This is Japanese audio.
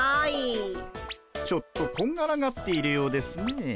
ちょっとこんがらがっているようですね。